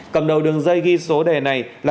cầm đầu đường dây ghi số đề này là